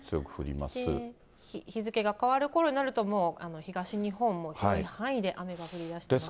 日付が変わるころになると、東日本も広い範囲で雨が降ってますし。